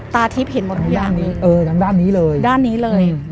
ตาทิพย์เห็นทั้งด้านนี้เลย